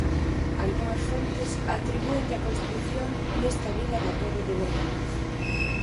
Algunhas fontes atribúenlle a construción nesta vila da Torre de Bermúdez.